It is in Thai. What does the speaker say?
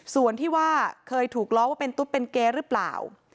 ส่วนที่ว่าเคยถูกล้อว่าเป็นตุ๊บเป็นเกย์หรือเปล่า